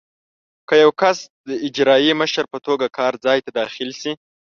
که یو کس د اجرایي مشر په توګه کار ځای ته داخل شي.